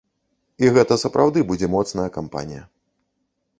І гэта сапраўды будзе моцная кампанія.